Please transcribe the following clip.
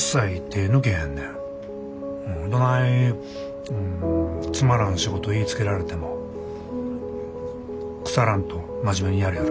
どないつまらん仕事言いつけられてもくさらんと真面目にやりよる。